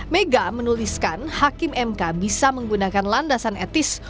mega menuliskan hakim mk bisa menggunakan landasan etis